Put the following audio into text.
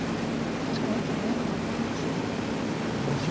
確かに一気に眼がなくなりますね。